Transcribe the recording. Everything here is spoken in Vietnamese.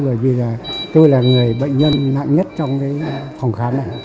bởi vì là tôi là người bệnh nhân nặng nhất trong phòng khám này